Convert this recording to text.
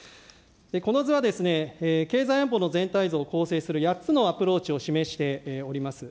この図は、経済安保の全体像を構成する８つのアプローチを示しております。